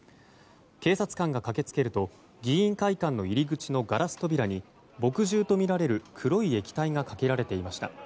警察官が駆け付けると議員会館の入り口のガラス扉に墨汁とみられる黒い液体がかけられていました。